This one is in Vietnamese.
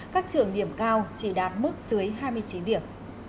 các trường điểm cao chỉ đạt mức dưới hai mươi chín điểm